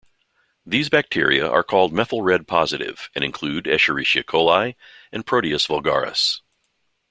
These bacteria are called methyl-red positive and include "Escherichia coli" and "Proteus vulgaris".